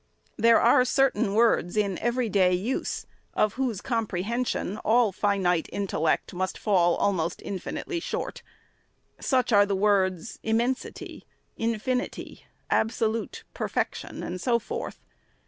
There are certain words in every day use, of whose comprehension all finite intellect must fall almost infinitely short. Such are the words immensity, infinity, absolute perfection, and so forth.